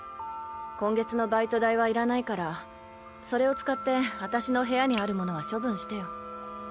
今月のバイト代はいらないからそれを使って私の部屋にあるものは処分してよ。